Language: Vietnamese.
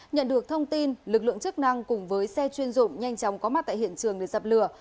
nhận được thông tin lực lượng chức năng cùng với xe chuyên dụng nhanh chóng có mặt tại hiện trường để dập lửa